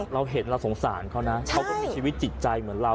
เราเห็นเราสงสารเขานะเขาก็มีชีวิตจิตใจเหมือนเรา